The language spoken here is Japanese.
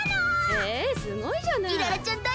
へえすごいじゃない！